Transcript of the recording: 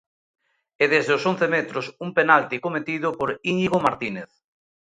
E desde os once metros un penalti cometido por Íñigo Martínez.